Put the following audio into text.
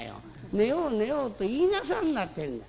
『寝よう寝よう』と言いなさんなってんだ。